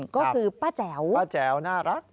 ก็คือป้าแจ๋วป้าแจ๋วน่ารัก